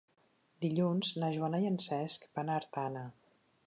Dilluns na Joana i en Cesc van a Artana.